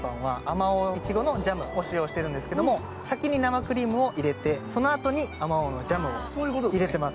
まおう苺のジャムを使用しているんですけれども先に生クリームを入れてそのあとにあまおうのジャムを入れてます。